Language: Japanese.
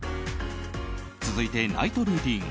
続いてナイトルーティン